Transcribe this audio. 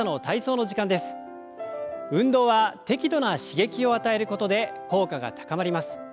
運動は適度な刺激を与えることで効果が高まります。